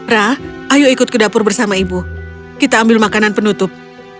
ra ayo ikut ke dapur bersama ibu kita ambil makanan penutup